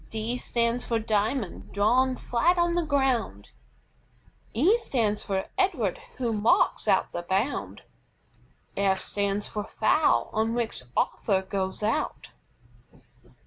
D stands for DIAMOND drawn flat on the ground. E stands for EDWARD, who marks out the bound. F stands for FOUL on which Arthur goes out.